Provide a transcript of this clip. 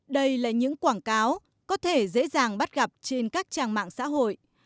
đây là những quảng cáo có thể dễ dàng bắt gặp trên các trang mạng xã hội